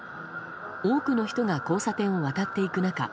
多くの人が交差点を渡っていく中